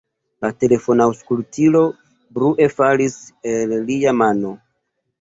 La telefonaŭskultilo brue falis el lia mano.